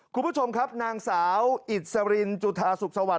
คุณผู้ชมครับนางสาวอิสรินจุธาสุขสวรร